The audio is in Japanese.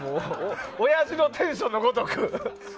親父のテンションのごとく。